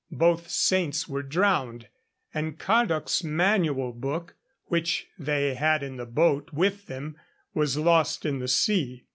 Both saints were drowned, and Cadoc's manual book, which they had in the boat with them, was lost in the sea.